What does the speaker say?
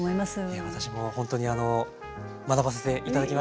いや私もほんとに学ばせて頂きました。